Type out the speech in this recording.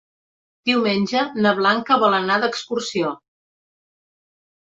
Diumenge na Blanca vol anar d'excursió.